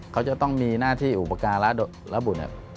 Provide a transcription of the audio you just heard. เขาจะต้องมีหน้าที่อุปการบุตร